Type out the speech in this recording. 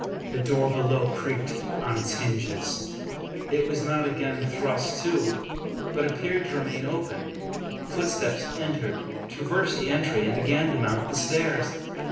The door below creaked on its hinges. It was not again 265 American Mystery Stories thrust to, but appeared to remain open. Footsteps entered, traversed the entry, and began to mount the stairs.